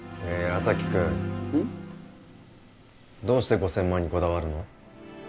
矢崎くんうん？どうして５０００万にこだわるの？